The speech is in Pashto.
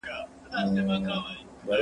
ما د سبا لپاره د درسونو يادونه کړې ده!.